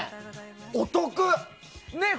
お得！